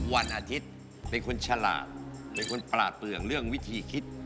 วันอาทิตย์เป็นคนฉลาดเป็นคนปลาดเปลืองเรื่องวิธีคิด